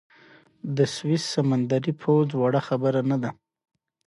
د سویس سمندري پوځ وړه خبره نه ده.